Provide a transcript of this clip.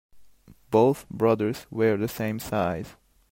Both brothers wear the same size.